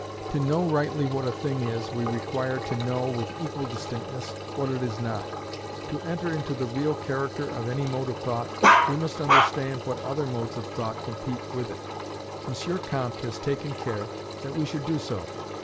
To know rightly what a thing is, we require to know, with equal distinctness, what it is not. To enter into the real character of any mode of thought, we must understand what other modes of thought compete with it. M. Comte has taken care that we should do so.